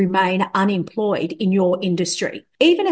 anda akan tetap bekerja di industri anda